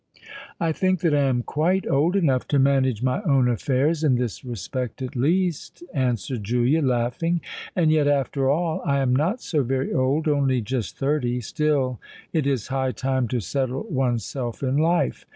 "I think that I am quite old enough to manage my own affairs in this respect at least," answered Julia, laughing: "and yet—after all—I am not so very old—only just thirty. Still it is high time to settle one self in life.